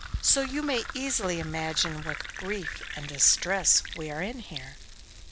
so you may easily imagine what grief and distress we are in here.